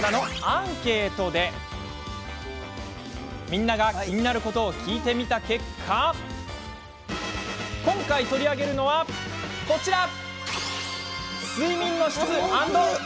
みんながキニナルことを聞いてみた結果今回、取り上げるのはこちら。